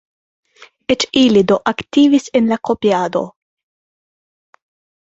Eĉ ili, do, aktivis en la kopiado.